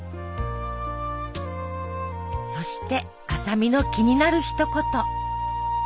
そして麻美の気になるひと言。